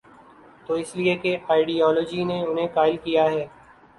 تو اس لیے کہ اس آئیڈیالوجی نے انہیں قائل کیا ہے۔